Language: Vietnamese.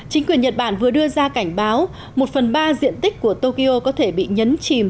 chính quyền nhật bản vừa đưa ra cảnh báo một phần ba diện tích của tokyo có thể bị nhấn chìm